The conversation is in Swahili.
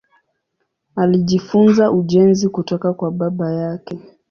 Alijifunza ujenzi kutoka kwa baba yake.